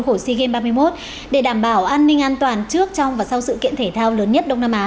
của sea games ba mươi một để đảm bảo an ninh an toàn trước trong và sau sự kiện thể thao lớn nhất đông nam á